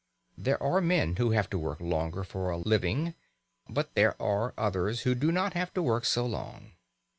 There are men who have to work longer for a living, but there are others who do not have to work so long.